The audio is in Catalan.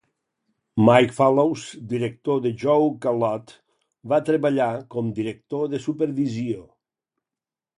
Mike Fallows, director de "Joke-a-lot", va treballar com director de supervisió.